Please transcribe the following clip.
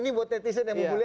ini buat netizen yang membuli